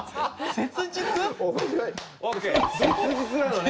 「切実」なのね？